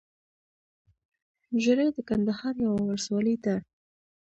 ژړۍ دکندهار يٶه ولسوالې ده